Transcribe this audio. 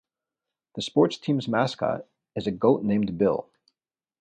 The sports teams' mascot is a goat named Bill.